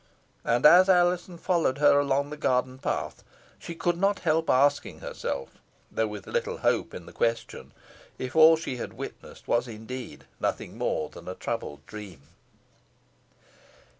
And, as Alizon followed her along the garden path, she could not help asking herself, though with little hope in the question, if all she had witnessed was indeed nothing more than a troubled dream.